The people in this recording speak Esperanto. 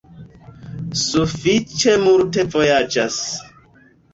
Sufiĉe multe vojaĝas.